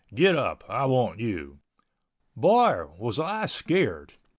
Get up. I want you." Boy, was I scared!